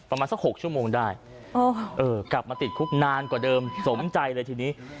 ประมาณสัก๖ชั่วโมงได้กลับมาติดคุกนานกว่าเดิมสมใจเลยทีนี้